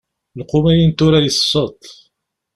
Lqum-agi n tura yesseḍ.